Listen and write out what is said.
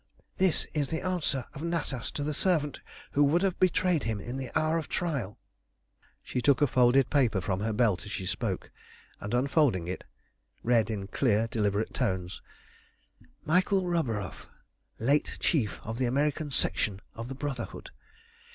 This is the answer of Natas to the servant who would have betrayed him in the hour of trial." She took a folded paper from her belt as she spoke, and, unfolding it, read in clear, deliberate tones Michael Roburoff, late chief of the American Section of the Brotherhood.